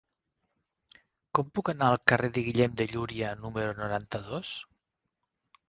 Com puc anar al carrer de Guillem de Llúria número noranta-dos?